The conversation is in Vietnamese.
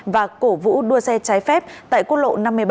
và cổ vũ đua xe trái phép tại quốc lộ năm mươi bảy